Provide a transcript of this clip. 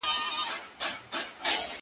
څه دي چي سپين مخ باندې هره شپه د زلفو ورا وي,